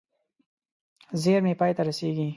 زېرمې پای ته رسېږي.